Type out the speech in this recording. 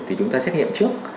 thì chúng ta xét nghiệm trước